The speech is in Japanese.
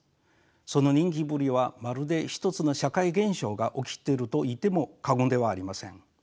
その人気ぶりはまるで一つの社会現象が起きてるといっても過言ではありません。